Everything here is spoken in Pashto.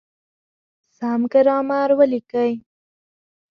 سم ګرامر وليکئ!.